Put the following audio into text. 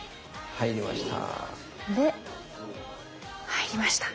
入りました。